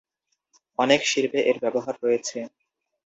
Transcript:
অনেক শিল্পে এর ব্যবহার রয়েছে।